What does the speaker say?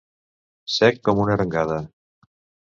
Sec com una arengada.